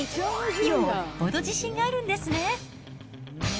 よっぽど自信があるんですね。